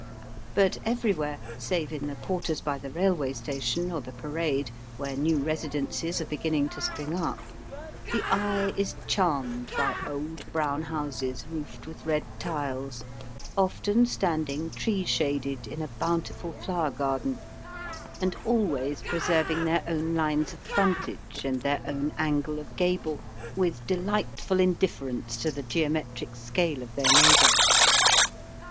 But everywhere, save in the quarters by the railway station or the Parade, where new residences are beginning to spring up, the eye is charmed by old brown houses roofed with red tiles, often standing tree shaded in a bountiful flower garden, and always preserving their own lines of frontage and their own angle of gable, with delightful indifference to the geometric scale of their neighbour.